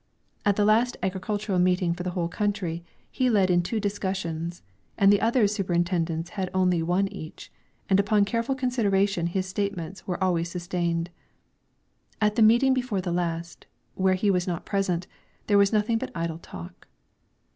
At the last agricultural meeting for the whole country, he led in two discussions, and the other superintendents had only one each, and upon careful consideration his statements were always sustained. At the meeting before the last, where he was not present, there was nothing but idle talk.